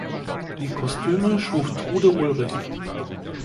Die Kostüme schuf Trude Ulrich.